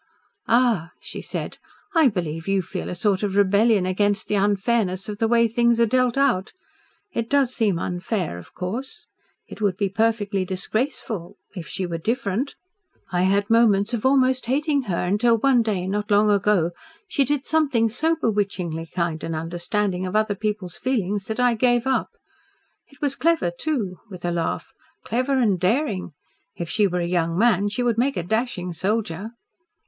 "Ah," she said, "I believe you feel a sort of rebellion against the unfairness of the way things are dealt out. It does seem unfair, of course. It would be perfectly disgraceful if she were different. I had moments of almost hating her until one day not long ago she did something so bewitchingly kind and understanding of other people's feelings that I gave up. It was clever, too," with a laugh, "clever and daring. If she were a young man she would make a dashing soldier."